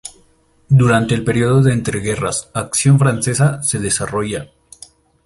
Durante el período de entreguerras, "Acción francesa" se desarrolla.